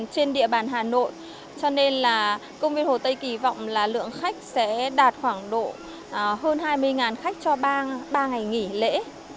trên địa bàn hà nội cho nên là công viên hồ tây kỳ vọng là lượng khách sẽ đạt khoảng độ hơn hai mươi khách cho bang ba ngày nghỉ lễ